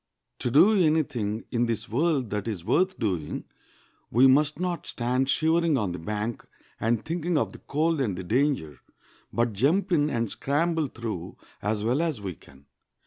To do any thing in this world that is worth doing we must not stand shivering on the bank, and thinking of the cold and the danger, but jump in and scramble through as well as we can.